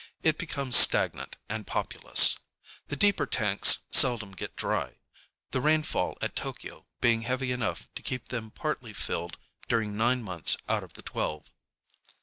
It becomes stagnant and populous. The deeper tanks seldom get dry; ŌĆöthe rainfall at T┼Źky┼Ź being heavy enough to keep them partly filled during nine months out of the twelve.